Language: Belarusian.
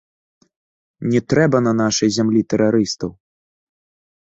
Не трэба на нашай зямлі тэрарыстаў!